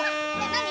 なに？